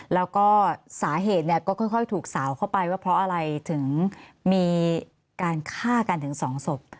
แล้วก็สาเหตุเนี่ยก็ค่อยถูกสาวเข้าไปว่าเพราะอะไรถึงมีการฆ่ากันถึง๒ศพ